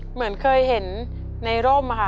เหมือนเคยเห็นในร่มค่ะ